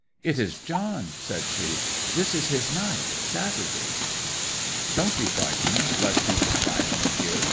'It is John!' said she. 'This is his night Saturday.' 'Don't be frightened lest he should find me here!'